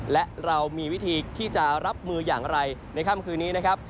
และเรามีวิธีที่จะรับมืออย่างไรในค่ำคืนนี้นะครับ